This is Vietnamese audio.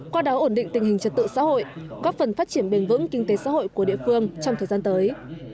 qua đó ổn định tình hình trật tự xã hội góp phần phát triển bền vững kinh tế xã hội của địa phương trong thời gian tới